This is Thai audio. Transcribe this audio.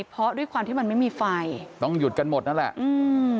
เพราะด้วยความที่มันไม่มีไฟต้องหยุดกันหมดนั่นแหละอืม